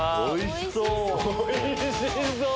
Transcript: おいしそう！